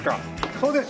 そうです！